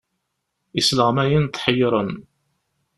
Isleɣmayen tḥeyyren.